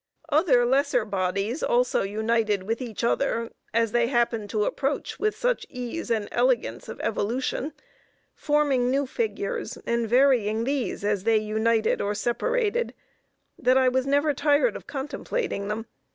Other lesser bodies also united with each other as they happened to approach with such ease and elegance of evolution, forming new figures, and varying these as they united or separated, that I never was tired of contemplating them.